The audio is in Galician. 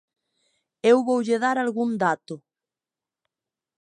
Eu voulle dar algún dato.